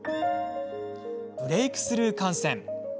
ブレークスルー感染。